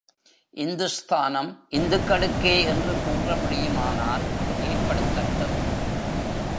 இந்துஸ்தானம் இந்துக்களுக்கே என்று கூற முடியுமானால் ஏற்படுத்தட்டும்!